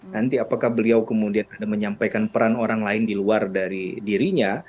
nanti apakah beliau kemudian ada menyampaikan peran orang lain di luar dari dirinya